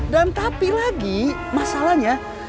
dan tapi lagi masalahnya